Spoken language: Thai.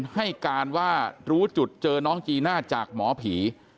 ให้การว่ารู้จุดเจอน้องจีน่าจากหมอผี